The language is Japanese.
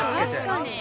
◆確かに。